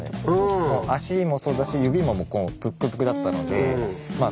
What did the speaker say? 足もそうだし指もぷっくぷくだったのでまあ